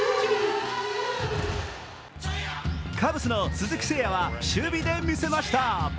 カブスの鈴木誠也は守備で見せました。